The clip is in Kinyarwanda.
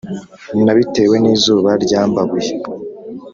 Nabitewe n’izuba ryambabuye